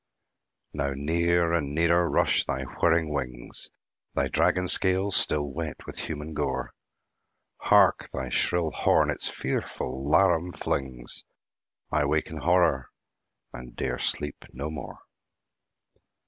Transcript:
Now near and nearer rush thy whirring wings, Thy dragon scales still wet with human gore. Hark, thy shrill horn its fearful laram flings! —I wake in horror, and 'dare sleep no more!